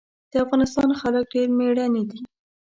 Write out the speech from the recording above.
د افغانستان خلک ډېر مېړني دي.